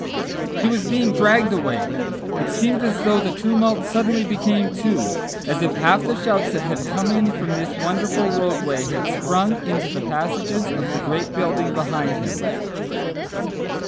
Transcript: He was being dragged away. It seemed as though the tumult suddenly became two, as if half the shouts that had come in from this wonderful roadway had sprung into the passages of the great building behind him.